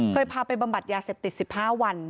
พาไปบำบัดยาเสพติด๑๕วัน